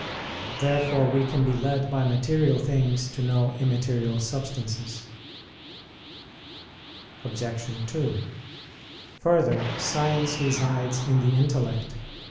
Therefore we can be led by material things to know immaterial substances. Obj. 2: Further, science resides in the intellect.